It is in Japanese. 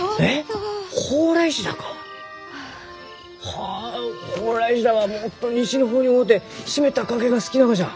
はあホウライシダはもっと西の方に多うて湿った崖が好きながじゃ！